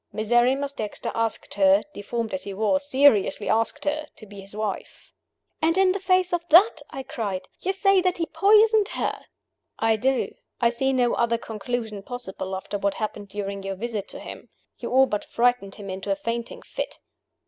Miserrimus Dexter asked her deformed as he was, seriously asked her to be his wife." "And in the face of that," I cried, "you say that he poisoned her!" "I do. I see no other conclusion possible, after what happened during your visit to him. You all but frightened him into a fainting fit.